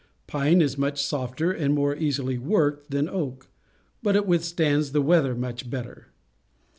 Pine is much softer and more easily worked than oak, but it withstands the weather much better.